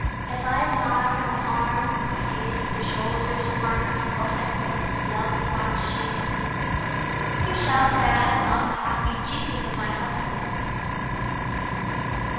If I admire my arms, my face, my shoulders, flanks, buttocks against the yellow drawn shades, Who shall say I am not the happy genius of my household?